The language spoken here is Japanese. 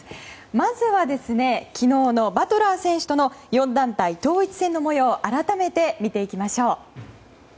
まずは、昨日のバトラー選手との４団体統一戦の模様を改めて見ていきましょう。